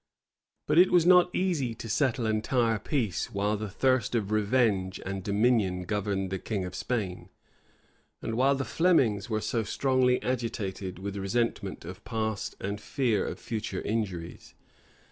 But it was not easy to settle entire peace, while the thirst of revenge and dominion governed the king of Spain, and while the Flemings were so strongly agitated with resentment of past, and fear of future injuries.